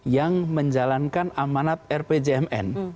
yang menjalankan amanat rpjmn